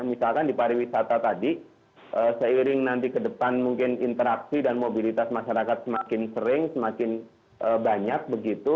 misalkan di pariwisata tadi seiring nanti ke depan mungkin interaksi dan mobilitas masyarakat semakin sering semakin banyak begitu